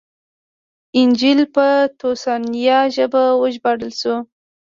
انجییل په تسوانایي ژبه وژباړل شو.